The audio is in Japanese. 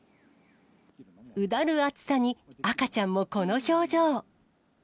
うだる暑さに赤ちゃんもこの表情。